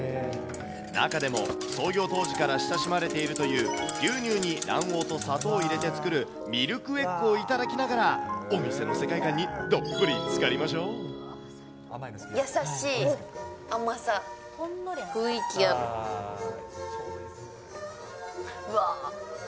中でも、創業当時から親しまれているという、牛乳に砂糖を入れて作る、ミルクエッグを頂きながら、お店の世界観にどっぷりつかりま優しい甘さ、うわー。